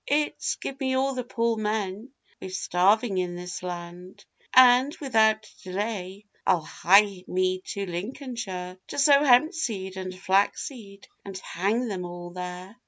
'It's, give me all the poor men we've starving in this land; And without delay, I'll hie me to Lincolnshire, To sow hemp seed and flax seed, and hang them all there.